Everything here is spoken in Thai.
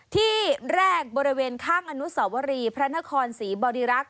ที่แรกบริเวณข้างอนุสวรีพระนครศรีบริรักษ